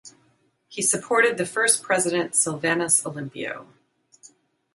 He supported the first president Sylvanus Olympio.